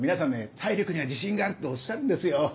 体力には自信があるとおっしゃるんですよ。